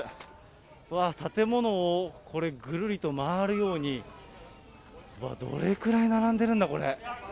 うわっ、建物をこれ、ぐるりと回るように、どれくらい並んでるんだ、これ。